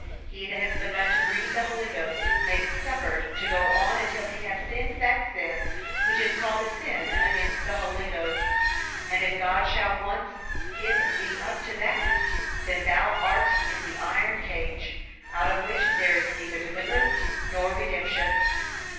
He that has begun to grieve the Holy Ghost, may be suffered to go on until he has sinned that sin which is called the sin against the Holy Ghost. And if God shall once give thee up to that, then thou art in the iron cage, out of which there is neither deliverance nor redemption.